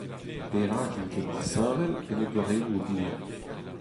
Perak int ken disheñvel en o doareoù ober ?